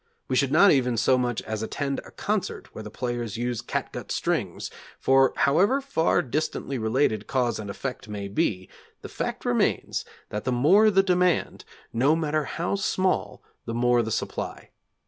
We should not even so much as attend a concert where the players use catgut strings, for however far distantly related cause and effect may be, the fact remains that the more the demand, no matter how small, the more the supply.